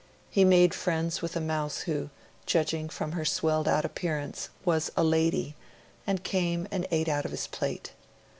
He made friends with a mouse who, 'judging from her swelled out appearance', was a lady, and came and ate out of his plate.